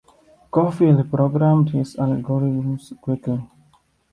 Corfield programmed his algorithms quickly.